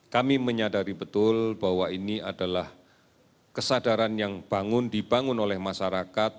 kami menyadari betul bahwa ini adalah kesadaran yang bangun dibangun oleh masyarakat